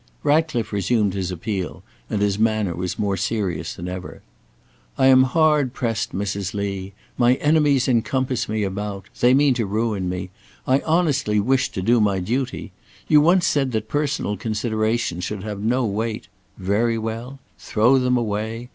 Ratcliffe resumed his appeal, and his manner was more serious than ever. "I am hard pressed, Mrs. Lee. My enemies encompass me about. They mean to ruin me. I honestly wish to do my duty. You once said that personal considerations should have no weight. Very well! throw them away!